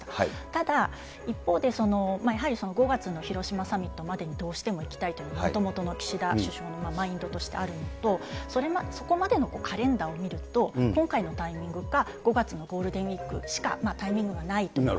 ただ、一方で、やはり５月の広島サミットまでにどうしても行きたいというもともとの岸田首相のマインドとしてあるのと、そこまでのカレンダーを見ると、今回のタイミングか、５月のゴールデンウィークしかタイミングがないと。